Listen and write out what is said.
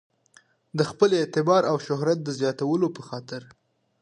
د خپل اعتبار او شهرت د زیاتولو په خاطر.